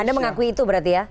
anda mengakui itu berarti ya